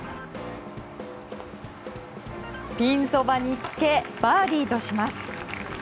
ピンそばにつけバーディーとします。